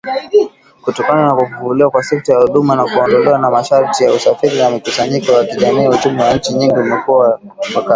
Kutokana na kufufuliwa kwa sekta ya huduma na kuondolewa kwa masharti ya usafiri na mikusanyiko ya kijamii uchumi wa nchi nyingi umekuwa kwa kasi.